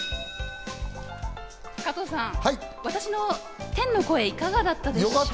加藤さん、私の天の声、いかがだったでしょうか？